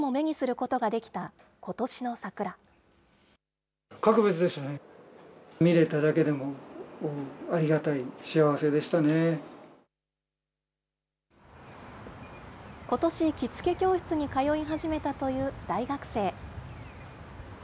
ことし、着付け教室に通い始めたという大学生。